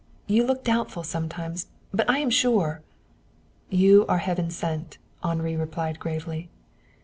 You look doubtful sometimes, but I am sure." "You are heaven sent," Henri replied gravely.